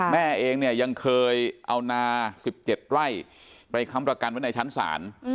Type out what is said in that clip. แม่เองเนี่ยยังเคยเอานา๑๗ไร่ไปค้ำประกันไว้ในชั้นศาล